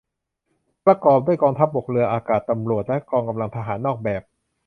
ประกอบด้วยกองทัพบก เรือ อากาศ ตำรวจ และกองกำลังทหารนอกแบบ